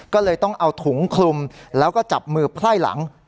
ก็เลยต้องเอาถุงคลุมแล้วก็จับมือไพ่หลัง